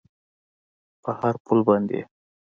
په هر پل باندې یې